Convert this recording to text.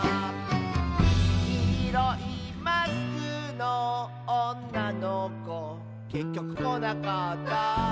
「きいろいマスクのおんなのこ」「けっきょくこなかった」